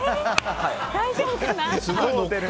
大丈夫かな？